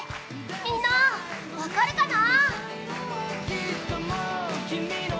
みんな分かるかな？